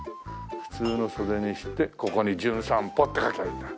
普通の袖にしてここに『じゅん散歩』って書けばいいんだ。